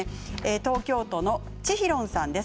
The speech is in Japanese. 東京都の方からです。